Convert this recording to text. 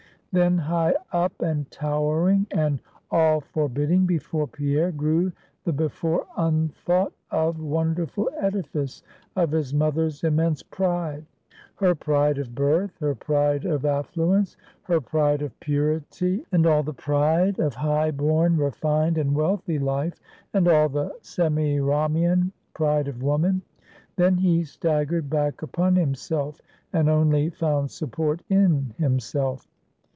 Then, high up, and towering, and all forbidding before Pierre grew the before unthought of wonderful edifice of his mother's immense pride; her pride of birth, her pride of affluence, her pride of purity, and all the pride of high born, refined, and wealthy Life, and all the Semiramian pride of woman. Then he staggered back upon himself, and only found support in himself.